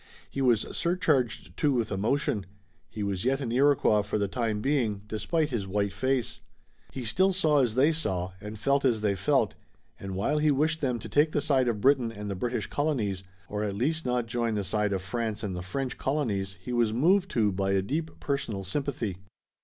He was surcharged, too, with emotion. He was yet an Iroquois for the time being, despite his white face. He still saw as they saw, and felt as they felt, and while he wished them to take the side of Britain and the British colonies, or at least not join the side of France and the French colonies, he was moved, too, by a deep personal sympathy.